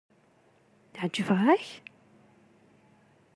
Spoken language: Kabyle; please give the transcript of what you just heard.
Ɛejbeɣ-k?